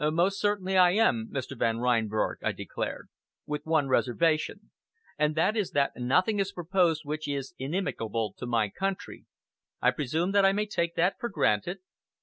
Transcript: "Most certainly I am, Mr. Van Reinberg," I declared, "with one reservation, and that is that nothing is proposed which is inimical to my country. I presume that I may take that for granted?"